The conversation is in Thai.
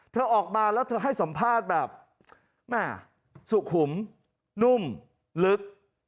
เธอออกมาแล้วเธอให้สัมภาษณ์แบบแม่สุขุมนุ่มลึก